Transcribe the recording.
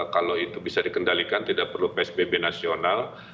kalau itu bisa dikendalikan tidak perlu psbb nasional